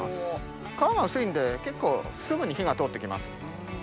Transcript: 皮が薄いんで結構すぐに火が通って来ます。